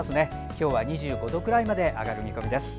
今日は２５度くらいまで上がる見込みです。